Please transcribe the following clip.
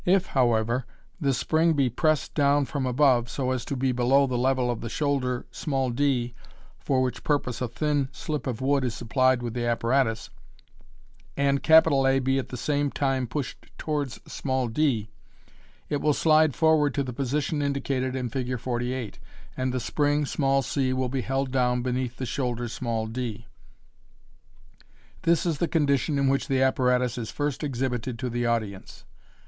If, however, the spring be pressed down from above, so as to be below the level of the shoulder d (for which purpose a thin slip of wood is supplied with the apparatus), and A be at the same time pushed towards d, it will slide forward to the position indicated in Fig. 48, and the spring c will be held down beneath the shoulder d. This is the condition in which the apparatus is first exhibited to the audience.